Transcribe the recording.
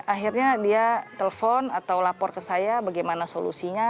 akhirnya dia telpon atau lapor ke saya bagaimana solusinya